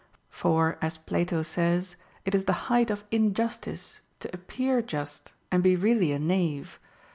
For, as Plato says, It is the height of injustice to appear just and be really a knave.